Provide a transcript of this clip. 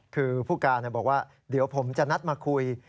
คือผู้การบอกว่าเดี๋ยวผมจะนัดมาคุย